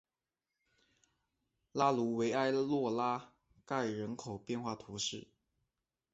拉卢维埃洛拉盖人口变化图示